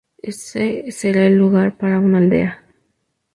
Este será el lugar para una aldea.